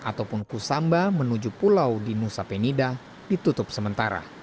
ataupun pusamba menuju pulau di nusa penida ditutup sementara